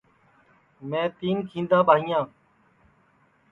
میں تین کھیندا ٻائیاں